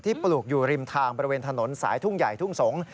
ปลูกอยู่ริมทางบริเวณถนนสายทุ่งใหญ่ทุ่งสงศ์